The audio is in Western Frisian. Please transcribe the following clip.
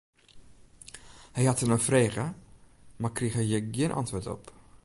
Hy hat der nei frege, mar kriget hjir gjin antwurd op.